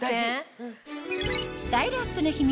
スタイルアップの秘密